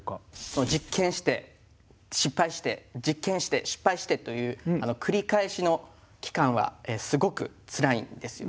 その実験して失敗して実験して失敗してという繰り返しの期間はすごくツライんですよね。